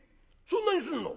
そんなにすんの？